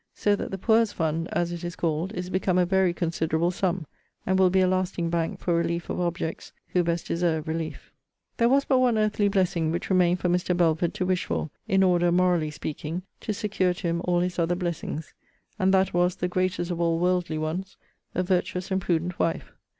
So that the poor's fund, as it is called, is become a very considerable sum: and will be a lasting bank for relief of objects who best deserve relief. There was but one earthly blessing which remained for Mr. Belford to wish for, in order, morally speaking, to secure to him all his other blessings; and that was, the greatest of all worldly ones, a virtuous and prudent wife.